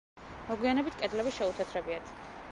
მოგვიანებით, კედლები შეუთეთრებიათ.